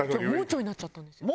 盲腸になっちゃったんですよ。